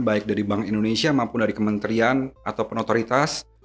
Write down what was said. baik dari bank indonesia maupun dari kementerian ataupun otoritas